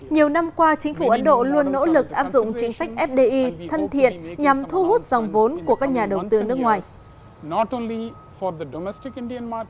nhiều năm qua chính phủ ấn độ luôn nỗ lực áp dụng chính sách fdi thân thiện nhằm thu hút dòng vốn của các nhà đầu tư nước ngoài